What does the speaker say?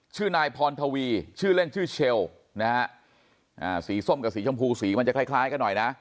ชื่อนายพรทวีชื่อเล่นชื่อเชลนะฮะสีส้มกับสีชมพูสีมันจะคล้ายคล้ายกันหน่อยนะ